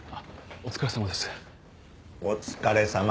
お疲れさま。